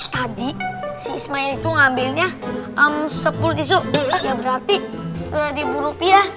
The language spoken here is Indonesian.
tadi si ismail itu ngambilnya sepuluh tisu ya berarti seribu rupiah